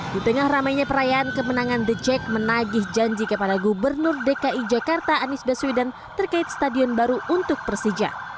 di tengah ramainya perayaan kemenangan the jack menagih janji kepada gubernur dki jakarta anies baswedan terkait stadion baru untuk persija